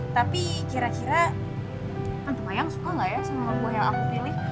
tapi kira kira tante mayang suka gak ya sama buah yang aku pilih